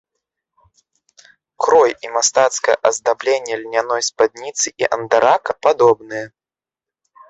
Крой і мастацкае аздабленне льняной спадніцы і андарака падобныя.